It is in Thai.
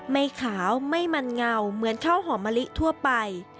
ไม่ขาวไม่มันเงาเหมือนข้าวหอมมะลิทั่วไป